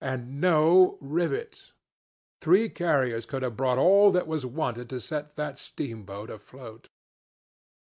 And no rivets. Three carriers could have brought all that was wanted to set that steamboat afloat.